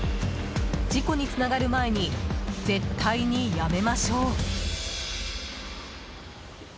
事故につながる前に絶対にやめましょう。